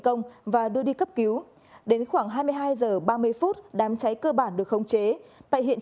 công và đưa đi cấp cứu đến khoảng hai mươi hai h ba mươi đám cháy cơ bản được khống chế tại hiện